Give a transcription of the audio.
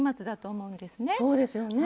そうですよね。